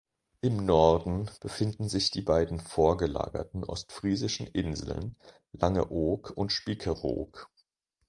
Im Norden befinden sich die beiden vorgelagerten ostfriesischen Inseln Langeoog und Spiekeroog.